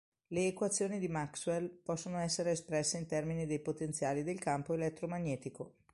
Le equazioni di Maxwell possono essere espresse in termini dei potenziali del campo elettromagnetico.